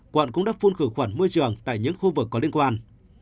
quận cũng đã phun khử khuẩn môi trường tại những khu vực có liên quan